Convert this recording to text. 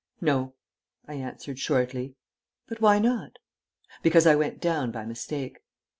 "No," I answered shortly. "But why not?" "Because I went down by mistake."